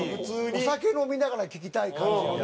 お酒飲みながら聴きたい感じのね。